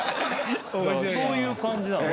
そういう感じなの。